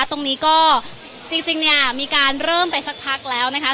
ตรงนี้ก็จริงเนี่ยมีการเริ่มไปสักพักแล้วนะคะ